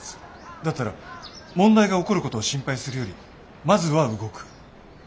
だったら問題が起こる事を心配するよりまずは動く。